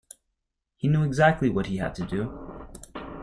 He knew exactly what he had to do.